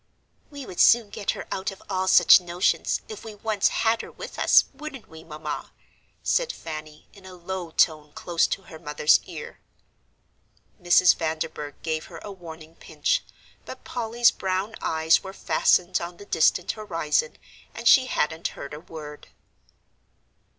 "We would soon get her out of all such notions, if we once had her with us, wouldn't we, Mamma?" said Fanny, in a low tone close to her mother's ear. Mrs. Vanderburgh gave her a warning pinch, but Polly's brown eyes were fastened on the distant horizon, and she hadn't heard a word.